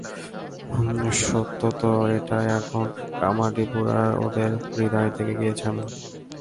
সত্যতো এটাই এখন কামাঠিপুরার ওদের হৃদয়েই থেকে গিয়েছি আমি।